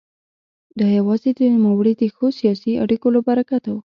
دا یوازې د نوموړي د ښو سیاسي اړیکو له برکته وه.